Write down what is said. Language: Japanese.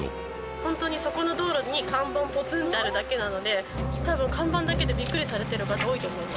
ホントにそこの道路に看板ポツンとあるだけなので多分看板だけでビックリされてる方多いと思います。